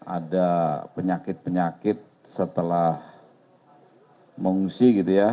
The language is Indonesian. ada penyakit penyakit setelah mengungsi gitu ya